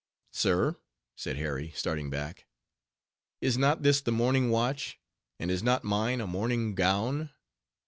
"Sir?" said Harry, starting back. "Is not this the morning watch, and is not mine a morning gown?"